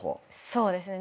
そうですね。